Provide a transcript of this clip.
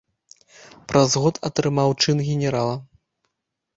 Праз год атрымаў чын генерала.